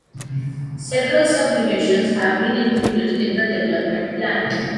Several subdivisions have been included in the development plan.